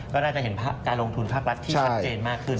ก็น่าจะเห็นการลงทุนภาครัฐที่ชัดเจนมากขึ้น